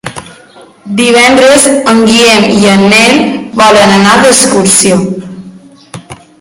Divendres en Guillem i en Nel volen anar d'excursió.